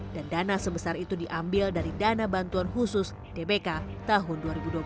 dan dana sebesar itu diambil dari dana bantuan khusus dbk tahun dua ribu dua puluh